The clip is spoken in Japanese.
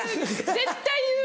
絶対言う！